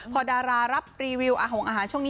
พอดารารับรีวิวอาหารช่วงนี้